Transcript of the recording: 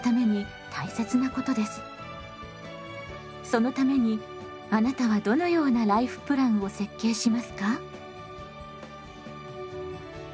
そのためにあなたはどのようなライフプランを設計しますか？